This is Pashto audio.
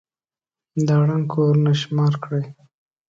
دا ړنـګ كورونه شمار كړئ.